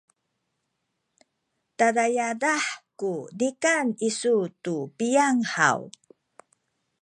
tada yadah ku nikan isu tu piyang haw?